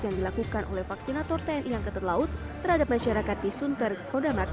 yang dilakukan oleh vaksinator tni angkatan laut terhadap masyarakat di sunter kodamat